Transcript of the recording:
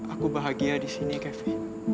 aku bahagia disini kevi